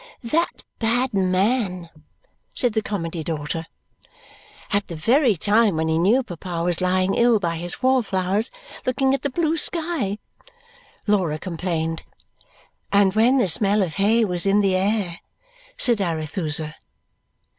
"That bad man!" said the Comedy daughter. "At the very time when he knew papa was lying ill by his wallflowers, looking at the blue sky," Laura complained. "And when the smell of hay was in the air!" said Arethusa.